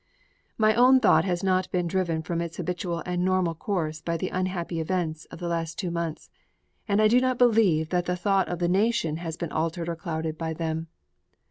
My own thought has not been driven from its habitual and normal course by the unhappy events of the last two months, and I do not believe that the thought of the nation has been altered or clouded by them.